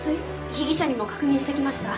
被疑者にも確認してきました。